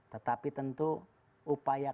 tetapi tentu upaya